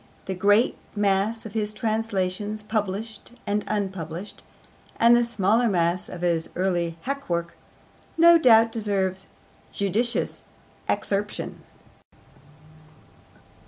The great mass of his translations, published and unpublished, and the smaller mass of his early hackwork, no doubt deserves judicious excerption.